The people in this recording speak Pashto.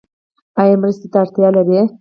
ایا مرستې ته اړتیا لرئ؟